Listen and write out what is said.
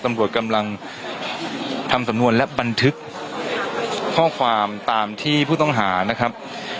ตำรวจกำลังทำสำนวนและบันทึกข้อความตามที่ผู้ต้องหานะครับ